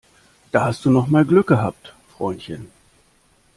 Da hast du noch mal Glück gehabt, Freundchen!